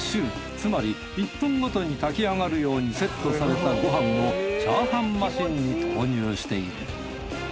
つまり１分ごとに炊き上がるようにセットされたご飯をチャーハンマシンに投入している。